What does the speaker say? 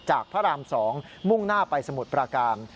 พระราม๒มุ่งหน้าไปสมุทรปราการ